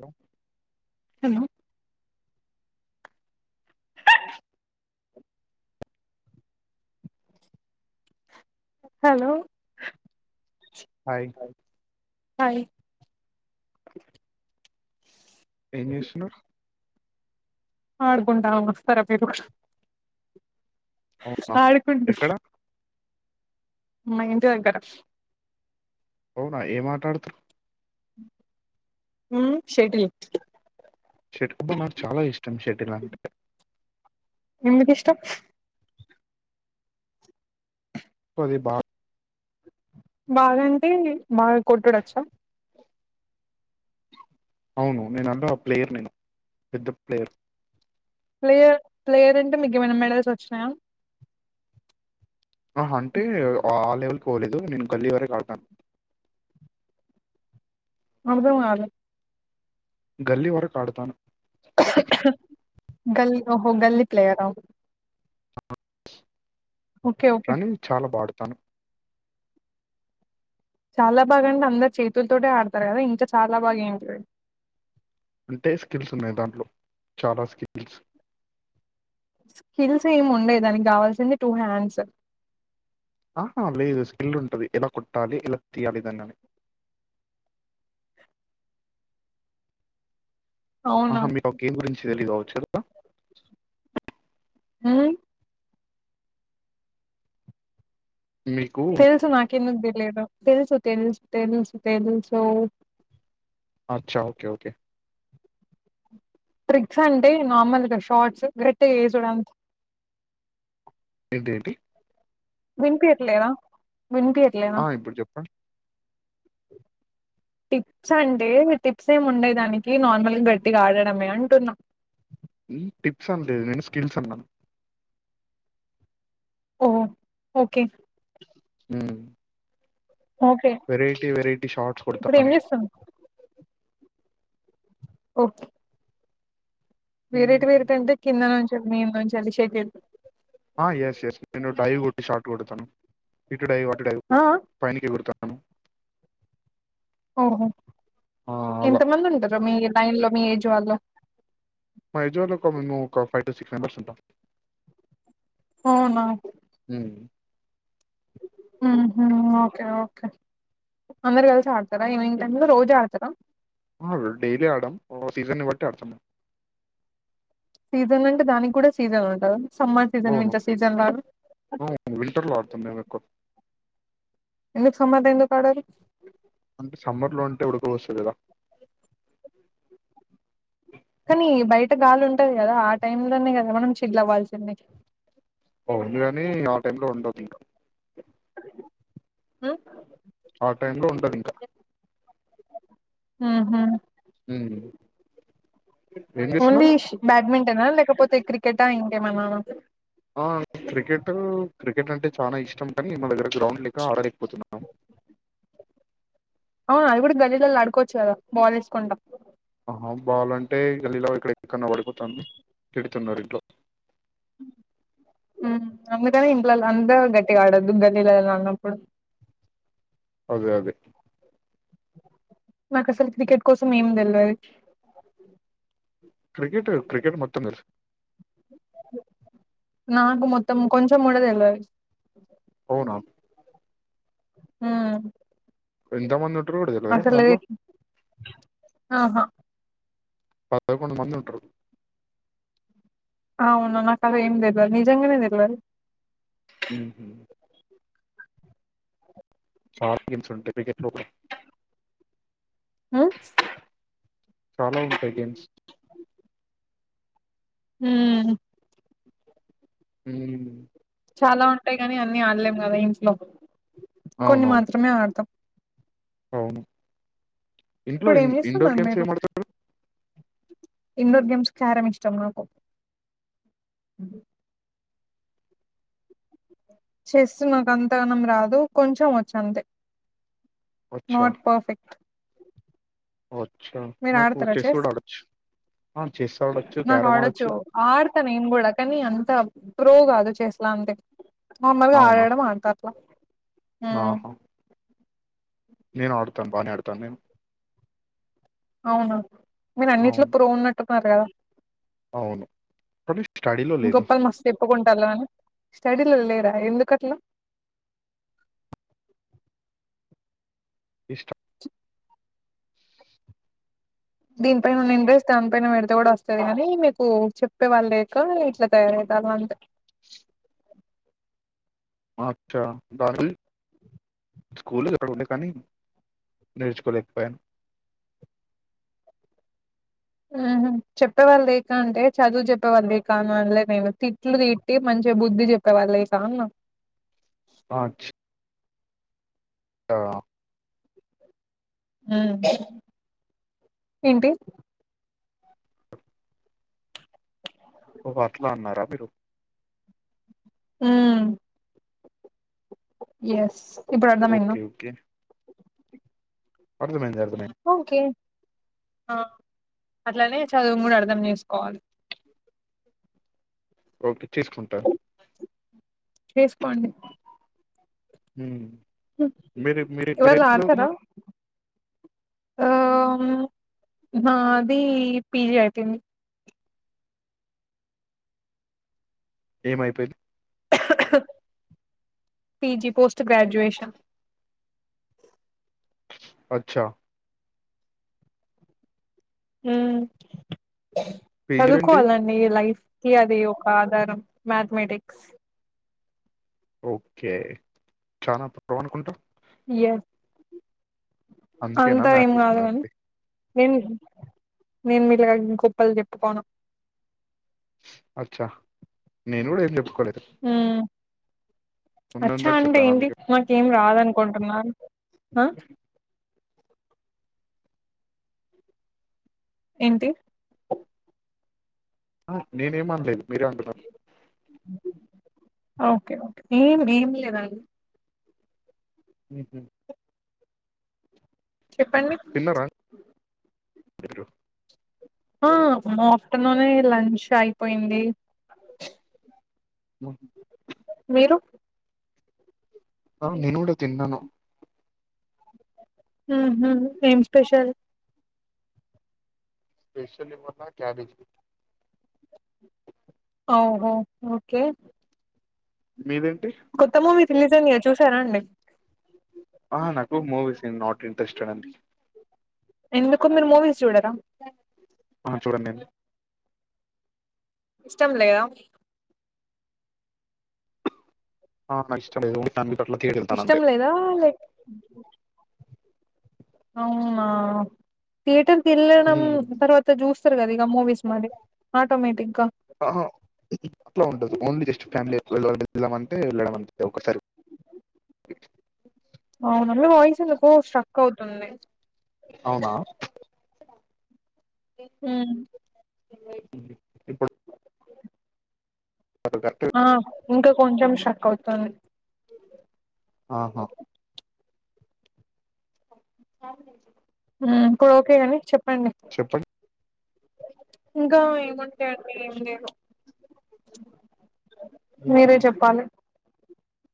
Hello ఉ hello hi hi ఏం చేస్తున్నారు ఆడుకుంట వస్తర మీరు కూడా అవునా ఆడుకుంటు ఎక్కడ మా ఇంటి దగ్గర అవునా ఏం ఆట ఆడుతారు ఊ షటిల్ షటిబుకు నాకు చాలా ఇష్టం షటిల్ అంటే ఎందుకు ఇష్టం పది బా బాగా అంటే బాగా కొట్టుడొచ్చా అవును నేన అన్నా ఆ ప్లేయర్ నేను పెద్ద ప్లేయర్ ప్లేయర్ ప్లేయర్ అంటే మీకు ఏమైనా మెడల్స్ ఓచ్చినాయా ఆహ్ అంటే ఆ లెవెల్కి పోలేదు నేను గల్లీ వరకి ఆడతాను అర్థం కాలే గల్లి వరకు ఆడతాను గల్ ఓహో గల్లీ ప్లేయరా అవ్ చ్ ఓకే ఓకే కాని చాలా బా ఆడుతాను చాలా బాగా అంటే అందరు చేతులతోటె ఆడతారు కదా ఇంకా చాలా బాగా ఏంటిదని అంటే స్కిల్స్ ఉన్నాయి దాంట్లో చాలా స్కిల్స్ స్కిల్స్ ఏం ఉండయి దానికి కావాల్సింది టూ హ్యాండ్స్ ఆహా లేదు స్ స్కిల్ ఉంటది ఎలా కోట్టాలి ఏలా తీయాలి దాన్నని అవునా ఆహా మీక్ ఆ గేమ్ గురించి తెలిదు కావచ్చు కదా ఉహ్ మీకు తెలుసు నాకెందుకు తెలీదు తెలుసు తెలుసు తెలుసు తెలుసు అచ్చా ఓకే ఓకే ట్రిక్స్ అంటే నార్మల్గా షార్ట్స్ కరెక్టే గా ఏసుడంతెయ్ ఏంటి ఏంటి వినిపియట్లేద వినిపియట్లేదా ఆ ఇప్పుడు చెప్పండి టిప్స్ అంటే టిప్స్ ఏమి ఉండయి దానికి నార్మల్గా గట్టిగా ఆడడమే అంటున్నా టిప్స్ అనలేదు నేను స్కిల్స్ అన్నా ఓ ఓకే హ్మ్ ఓకే వెరైటీ వెరైటీ షార్ట్స్ ఇప్పుడు ఏం కొడతాను చేస్తాం ఓకే వెరైటీ వెరైటాంటే కింద నుంచి మీంద నుంచెల్లి షెకెండు ఆ ఎస్ ఎయస్ నేను డైవ్ కొట్ షార్ట్ కొడతాను ఇటు డైవ్ అటు డైవ్ ఆ పైనికి కోడ్తాను అలో ఓహో ఇంతమంది ఉంటారు మీ లైన్ లో మీ ఏజ్ వాళ్ళు మా ఏజ్ వాళ్ళు ఒక ము ఒక ఫైవ్ టు సిక్స్ మెంబర్స్ ఉంటాం అవునా ఉమ్ ఉహు ఓకే ఓకే అందరు కలిసి ఆడతారా ఈవినింగ్ టైం లో రోజు ఆడతారా ఆహ్ డైలీ ఆడాం సీజన్ బట్టి ఆడతాం సీజన్ అంటే దానికి కూడా సీజన్ ఉంటదా సమ్మర్ సీజన్ అవును వింటర్ సీజన్ లో అట్ అవును వింటర్ లో ఆడతాం మేము ఎక్కువ ఎందుకు సమ్మర్ లా ఎందుకు ఆడారు అంటే సమ్మర్ లో ఉంటే ఉడుకవోస్తది కదా కానీ బయట గాలి ఉంటది కదా ఆ టైం లనే కదా మనం చిల్ అవ్వాల్సిందికి అవున్ కాని ఆ టైమ్ లో ఉండొద్దు ఇక ఉహ్ టైం లో ఉండదు ఇంకా ఉహు హ్మ్ ఓన్లీ ష్ బ్యాడ్మింటనా లేకపోతే క్రికెటా ఇంకేమన్నానా ఆ క్రికెటు క్రికెట్ అంటే చానా ఇష్టం కానీ మా దగ్గర గ్రౌండ్ లేక ఆడలేకపోతు న్నం ఆ అది కూడా గల్లీలల్లో అడుకోవచ్చు కదా బాల్ ఏసుకుంటా ఆ బాలంటే గల్లీలో ఎక్కడ ఎక్కడ్నో పడిపోతుంది తిడుతున్నారు ఇంట్లో మ్మ్ అందుకని ఇంట్లలో అంతా గట్టిగా ఆడొద్దు గల్లీలలో అడ్నప్పుడు అదే అదే నాకసలు క్రికెట్ కోసం ఏం తెలువది క్రికెటు క్రికెట్ మొత్తం తే నాకు మొత్తం కొంచెం కూడా తెలువది అవునా ఉహ్మ్ ఎంత మంది ఉంటారు కూడా తెలియదా అసలే దాంట్లో ఆహా పదకొండు మంది ఉంటారు అవునా నాకది ఏం తెలువది నిజంగానే తెలువది మ్మ్ ఉహ్మ్ [unintelligible] మ్మ్ చాలా ఉంటాయ్ గేమ్స్ ఊహ్మ్ ఉమ్మ్మ్ చాలా ఉంటాయి కాని అన్ని ఆడ్లేం కదా ఇంట్లో కొన్ని అవునవును మాత్రమే ఆడతాం అవును ఇంట్లో ఇప్పుడు ఏం ఇండోర్ చేస్తున్నారు గేమ్స్ మీరు ఏం ఆడతారు ఇండోర్ గేమ్స్ క్యారం ఇష్టం నాకు చెస్ నాకు అంతగానం రాదు కొంచెం వచ్చంతే అచ్చా నాట్ పర్ఫెక్ట్ అచ్చా మీరు నాకు ఆడతారా చేస్ చెస్ కూడా ఆడచ్చు నాకు ఆడొచ్చు ఆడతా నేను గూడా కానీ అంత ప్రో కాదు చేస్ లంతే మామ్మలుగా అవునా ఆడడం అంత అట్లా ఉమ్ ఆహా తనేన్ అవునా మీరు అన్నిట్లో ప్రో ఉన్నట్టు ఉన్నారు కదా అవును కానీ స్టడీలో లేను గొప్పాలు మస్తు చెప్పుకుంటారు లాని స్టడీలో లేరా ఎందు కట్లా ఇష్ట దీనిపైన ఉన్న ఇంట్రేస్ట్ దానిపైన పేడితే గూడా వస్తాది గాని మీకు చెప్పే వాళ్ళు లేక ఇట్లా తయారయ రు అంతే అచ్చ గర్ల్ స్కూల్లోది అక్కడ ఉండే కానీ నేర్చుకోలేకపోయాను మ్మ్ ఉమ్మ్ చెప్పేవాళ్ళు లేక అంటే చదువు చెప్పేవాళ్ళు లేకా అని అన్లే నేను తిట్లు తిట్టి మం చిగ బుద్ధి చెప్పేవాళ్ళు లేక అన్న అచ్ ఆ ఉమ్మ్ ఏంటి ఓహో అట్లా అన్నారా మీరు హ్మ్ ఎస్ ఇప్పుడు అర్థమైందా ఓకే ఓకే అర్థం అయిందా ఓకే ఆ అట్లానే చదువును కూడా అర్థం చేేసుకోవాలి ఓకే తీసుకుంటా తీసుకోండి హ్మ్ మీ మీరు ఇవాళ ఆడతారా మేరెంచదువుకునార్ ఆ నాది పీజీ అయిపోయింది ఏమైపోయింది పీజీ పోస్ట్ గ్రాడ్యుయేషన్ అచ్చా హ్మ పీజీలేంటి? చదువుకోవాలండి లైఫ్ ఫ్కి అది ఒక ఆధారం మాథెమాటిక్స్ ఓకే చానా [inaudible] ప అనుకుంటా ఎస్ అందుకేనా అంతా ఏం మ్యాథ్స్ కాదు కాని తీసుకున్నది. నెన్ నేను మీలాగా గొప్పలు చెప్పుకోను అచ్చ నేను కూడా ఏం చెప్ హ్మ అచ్చా ఉన్నదున్నట్టు అంటే చెప్పాను ఏంటి అందుకే. మాకేం రాదనుకొంటున్నార్ ఆ ఏంటి ఆ నేనేం అనలేదు మీరే అంటున్నారు ఓకే ఓకే ఏం భీమ్ లేదండి హ్మ్ హ్మ చెప్పండి బెటరు ఆ ఆఫ్టర్నూనే లంచ్ అయిపోయింది మ్మ మీరు ఆ నేన కూడా తిన్నాను హ్మ హ్మ ఏం స్పెషల్ స్పెషల్ ఏమన్నా క్యాబేజి ఓహో ఓకే మీదేం కొత్త మూవీ రిలీజ్ అయింది కదా చూసారాండి ఆ నాకు మూవీస్ ఇన్ నాట్ ఇంట్రెస్టెడ్ అండి ఎందుకు మీరు మూవీ ఆ చూడను నేను ఇష్టం లేద ఆ నక్ ఇష్టం లేదు ఓన్లీ ఫ్యామిలీ ఇష్టం లేదా లేక అవునా థియేటర్ కెల్లడం హ్మ్. తర్వాత చూస్తారు కదా ఇక మూవీస్ మరి ఆటోమేటిక్ గా ఆహా! అట్లా ఉంటదు ఓన్లీ జస్ట్ ఫ్యామిలీ వెళ్దామా అంటే వెళ్ళడం అంతే ఒకసారి అవునా మీ వాయిస్ ఎందుకు స్ట్రక్ అవుతుంది అవునా ఉమ్ [unintelligible] కరెక్ట్ ఆ ఇంకా కొంచెం స్ట్రక్ అవుతుంది ఆహా [unintelligible] ఉమ్ ఇప్పుడు ఓకేగాని చెప్ చెప్పండి ఇంకా ఏముంటయండి ఏం లేదు మీరే చెప్పాలి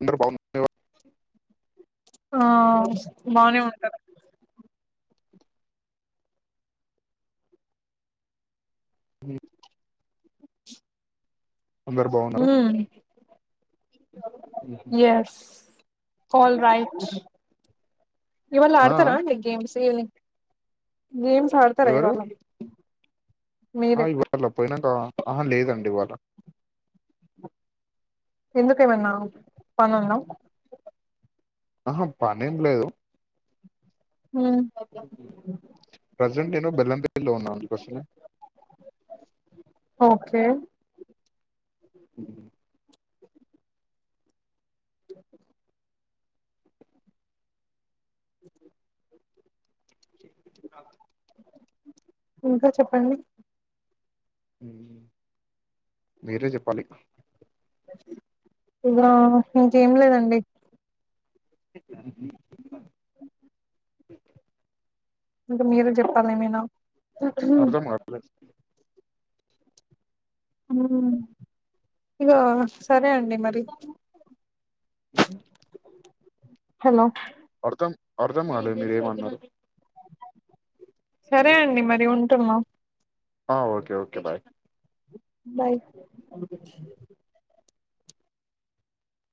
అందరు బాగు [unintelligible] ఆ బానే ఉంటారు ఉమ్ అందరు బాగున్నారు ఉమ్ ఎస్ ఆల్ రైట్ ఇవల ఆ ఆడతారా గేమ్స్ ఏ గేమ్స్ ఆడతార ఎవరు ఇవాళ్ళ ఆ ఇవళ పోయినాక ఆహ లేదండి ఇవాళ ఎందుకుఎమన్నా పనుందా ఆహ పని ఏం లేదు మ్మ్ ప్రజెంట్ నేను బెల్లంపల్లి లో ఉన్నా అందుకోసమే ఓకే ఉమ్ [unintelligible] ఇంకా చెప్పండి ఉమ్ మీరే చెప్పాలి ఇంకా ఇంకేం లేదండి [unintelligible] ఇంకా మీరే చెప్పాలి ఏమైనా అర్థం అవట్లేదు ఉమ్ ఇంకా సరే అండి మరి ఉమ్ హలో అర్ధం అర్థం కాలేదు మీరు ఏమి అన్నారో సరే అండి మరి ఉంటున్నా ఆ ఓకే ఓకే బాయ్ బాయ్